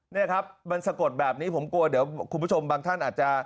นี่ครับมันสะกดแบบนี้ผมกลัวเดี๋ยวคุณผู้ชมบางท่านอาจจะ